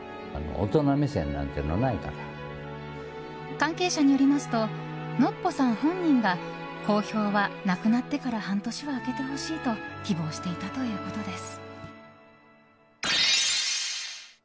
関係者によりますとのっぽさん本人が公表は、亡くなってから半年は空けてほしいと希望していたということです。